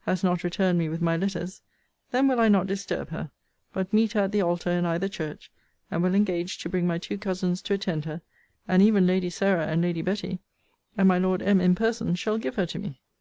has not returned me with my letters,) then will I not disturb her; but meet her at the altar in either church, and will engage to bring my two cousins to attend her, and even Lady Sarah and Lady Betty; and my Lord M. in person shall give her to me.